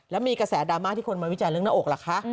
แล้วมีกระแสดราม่าที่คนมาวิจารณเรื่องหน้าอกล่ะคะ